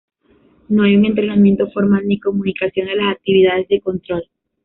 No hay un entrenamiento formal ni comunicación de las actividades de control.